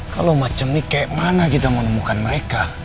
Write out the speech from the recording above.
kalau macam ini kayak mana kita menemukan mereka